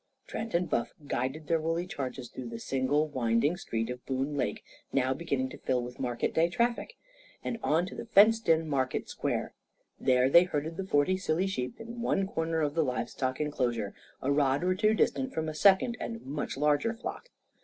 Trent and Buff guided their woolly charges through the single winding street of Boone Lake, now beginning to fill with market day traffic, and on to the fenced in market square. There they herded the forty silly sheep in one corner of the livestock enclosure, a rod or two distant from a second and much larger flock.